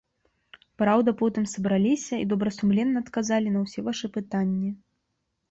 Праўда, потым сабраліся і добрасумленна адказалі на ўсе вашы пытанні.